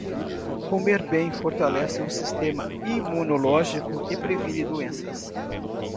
Comer bem fortalece o sistema imunológico e previne doenças.